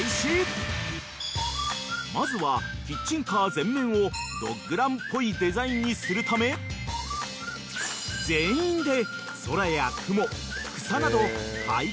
［まずはキッチンカー全面をドッグランっぽいデザインにするため全員で］